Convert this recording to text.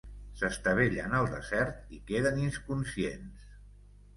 S'estavellen al desert i queden inconscients.